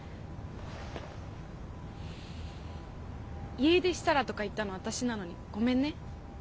「家出したら」とか言ったの私なのにごめんね。